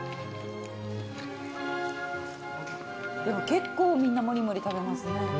でも結構みんなモリモリ食べますね。